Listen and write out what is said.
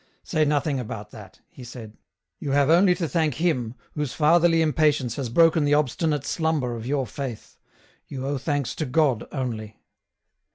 " Say nothing about that," he said ;" you have only to thank Him, whose fatherly impatience has broken the obstinate slumber of your Faith ; you owe thanks to God only.